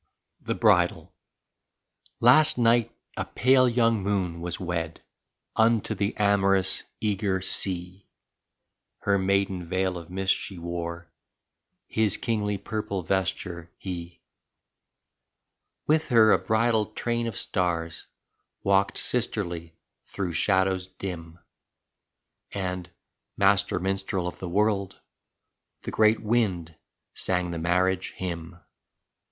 35 THE BRIDAL Last night a pale young Moon was wed Unto the amorous, eager Sea; Her maiden veil of mist she wore His kingly purple vesture, he. With her a bridal train of stars Walked sisterly through shadows dim, And, master minstrel of the world. The great Wind sang the marriage hymn.